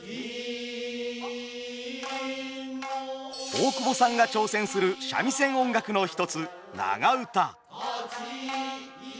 大久保さんが挑戦する三味線音楽の一つ「長唄」。